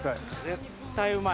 絶対うまい。